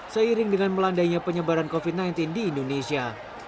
seiring dengan melandainya penyebaran covid sembilan belas di indonesia